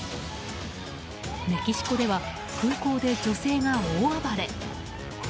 メキシコでは、空港で女性が大暴れ！